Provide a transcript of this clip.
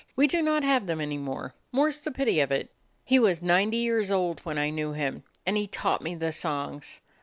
We do not have them any more, more 's the pity of it. He was ninety years old when I knew him, and he taught me the songs.